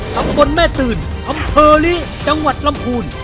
กลับบนแม่ตื่นอำเซอริจังหวัดลำภูล